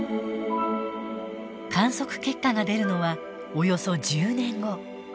観測結果が出るのはおよそ１０年後。